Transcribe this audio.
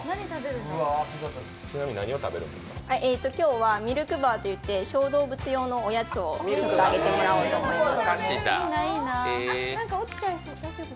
今日はミルクバーといって小動物用のおやつをあげてもらおうと思います。